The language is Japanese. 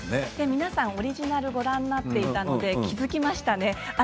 皆さんはオリジナルをご覧になっていたので気付きましたね。